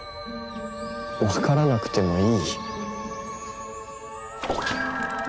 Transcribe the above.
分からなくてもいい？